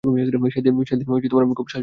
সেদিন আমি খুব সাজবো।